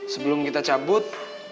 sebelum kita cabut